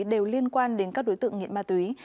đều liên quan đến các đối tượng nghiện ma túy